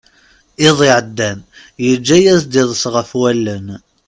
Iḍ iɛeddan yeǧǧa-as-d iḍes ɣef wallen.